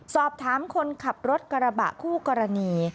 สอบถามคนขับรถกระบะคู่กรณี